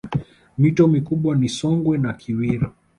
Mito mikubwa ni Songwe na Kiwira